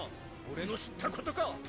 俺の知ったことか！